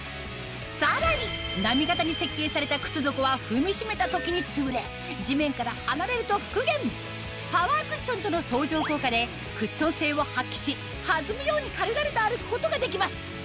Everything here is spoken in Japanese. さらに波形に設計された靴底は踏みしめた時につぶれ地面から離れると復元パワークッションとの相乗効果でクッション性を発揮し弾むように軽々と歩くことができます